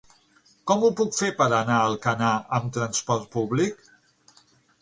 Com ho puc fer per anar a Alcanar amb trasport públic?